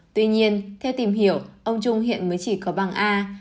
tuy nhiên theo tìm hiểu ông trung hiện mới chỉ có bằng a